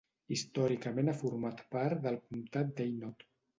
Històricament ha format part del comtat d'Hainaut.